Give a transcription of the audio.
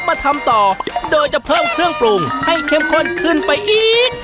มาทำต่อโดยจะเพิ่มเครื่องปรุงให้เข้มข้นขึ้นไปอีก